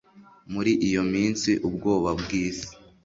Muri iyo minsi ubwoba bwisi